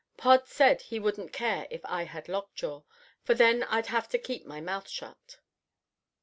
Pod said he wouldn't care if I had lockjaw; for then I'd have to keep my mouth shut.